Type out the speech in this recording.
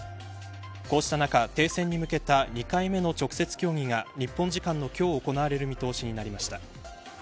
こうした中、停戦に向けた２回目の直接協議が日本時間の今日、行われる見通しになりました。